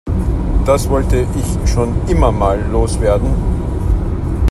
Das wollte ich schon immer mal loswerden.